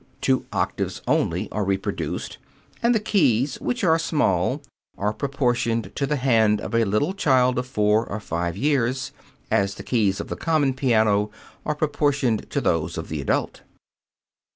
Two octaves only are reproduced, and the keys, which are small, are proportioned to the hand of a little child of four or five years, as the keys of the common piano are proportioned to those of the adult.